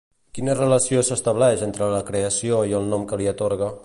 Quina relació s'estableix entre la creació i el nom que li atorga?